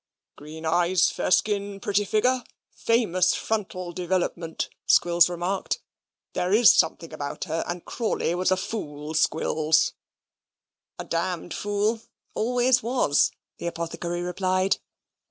"Green eyes, fair skin, pretty figure, famous frontal development," Squills remarked. "There is something about her; and Crawley was a fool, Squills." "A d fool always was," the apothecary replied.